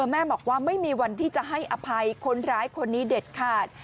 แม่บอกว่าไม่มีวันที่จะให้อภัยคนร้ายคนนี้เด็ดขาด